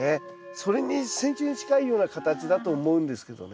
それにセンチュウに近いような形だと思うんですけどね。